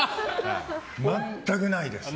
全くないです。